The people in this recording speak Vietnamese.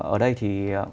ở đây thì